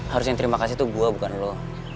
harus yang terima kasih tuh gua bukan lo